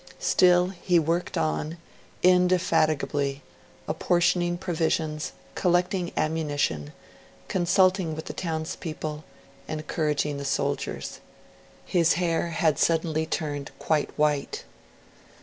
Still he worked on, indefatigably, apportioning provisions, collecting ammunition, consulting with the townspeople, encouraging the soldiers. His hair had suddenly turned quite white.